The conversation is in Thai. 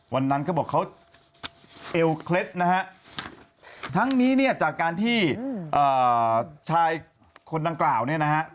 เขาบอกเขาเอวเคล็ดนะฮะทั้งนี้เนี่ยจากการที่ชายคนดังกล่าวเนี่ยนะฮะ